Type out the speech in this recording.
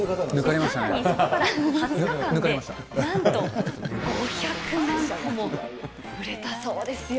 さらにそこから２０日間で、なんと５００万個も売れたそうですよ。